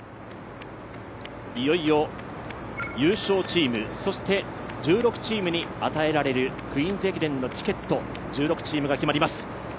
いよいよ優勝チームそして１６チームに与えられるクイーンズ駅伝のチケット１６チームが決まります。